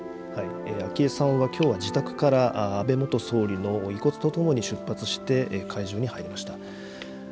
昭恵さんは、きょうは自宅から安倍元総理の遺骨とともに出発して、会場に入りました。